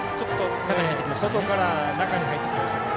外から中に入ってきましたから。